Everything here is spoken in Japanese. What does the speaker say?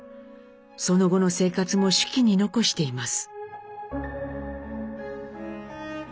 その後の生活も手記に残しています。